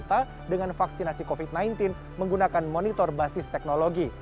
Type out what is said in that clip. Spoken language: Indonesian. untuk bayi dan balita dengan vaksinasi covid sembilan belas menggunakan monitor basis teknologi